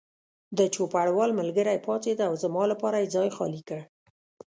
د چوپړوال ملګری پاڅېد او زما لپاره یې ځای خالي کړ.